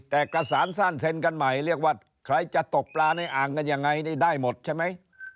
แต่กระสานสั้นเซ็นกันใหม่เรียกว่าใครจะตกปลาในอ่างกันยังไงนี่ได้หมดใช่ไหม